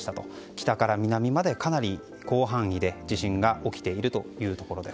北から南までかなり広範囲で地震が起きているというところです。